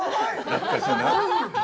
懐かしいな。